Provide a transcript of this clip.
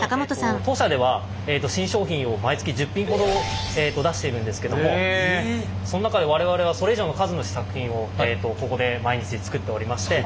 当社では新商品を毎月１０品ほど出しているんですけどもその中で我々はそれ以上の数の試作品をここで毎日作っておりまして。